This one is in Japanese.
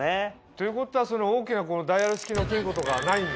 ということは大きなダイヤル式の金庫とかはないんだ。